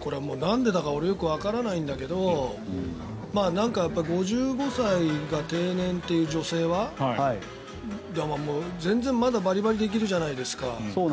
これはなんでだか俺もよくわからないんだけど５５歳が定年という女性は全然まだバリバリできるじゃないですか。